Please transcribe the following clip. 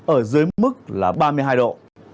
ở dưới mức là ba mươi hai độ